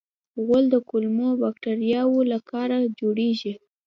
غول د کولمو باکتریاوو له کاره جوړېږي.